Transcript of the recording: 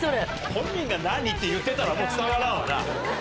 本人が「何？」って言ってんだからもう伝わらんわな。